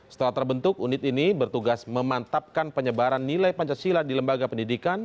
setelah terbentuk unit ini bertugas memantapkan penyebaran nilai pancasila di lembaga pendidikan